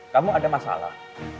kamu ada masalah